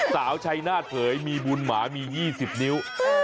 สาวชัยนาฏเผยมีบุญหมามี๒๐นิ้ว